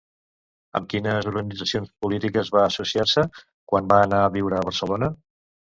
Amb quines organitzacions polítiques va associar-se quan va anar a viure a Barcelona?